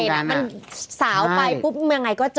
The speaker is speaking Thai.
มันสาวไปปุ๊บยังไงก็เจอ